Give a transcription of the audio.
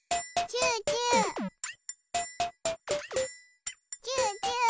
チューチュー。